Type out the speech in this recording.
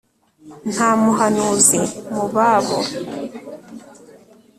nta muhanuzi mu babo